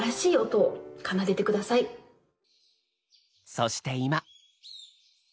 そして今。